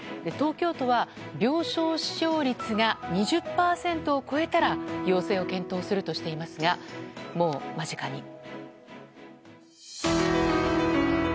東京都は病床使用率が２０％を超えたら要請を検討するとしていますがもう間近に。